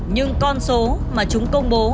nhưng con số mà chúng công bố